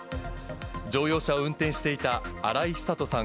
乗用車を運転していた荒井久登さん